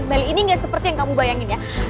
meli ini nggak seperti yang kamu bayangin ya